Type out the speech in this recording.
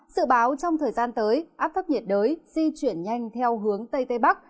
sự báo trong thời gian tới áp thấp nhiệt đới di chuyển nhanh theo hướng tây tây bắc